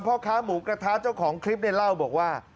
พ่อค้าหมูกระทะเจ้าของคลิปเนี่ยเล่าบอกว่า